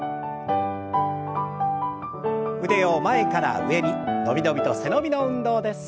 腕を前から上に伸び伸びと背伸びの運動です。